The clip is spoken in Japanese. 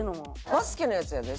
バスケのやつやで？